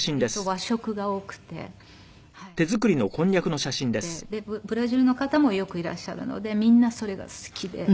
和食も多くてブラジルの方もよくいらっしゃるのでみんなそれが好きで。